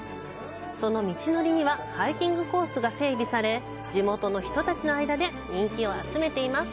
その道のりにはハイキングコースが整備され地元の人たちの間で人気を集めています。